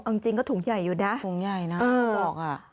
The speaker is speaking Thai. เอาจริงก็ถุงใหญ่อยู่นะถุงใหญ่นะเขาบอกอ่ะ